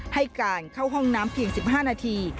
ให้การเข้าห้องน้ำเพียง๑๕นาที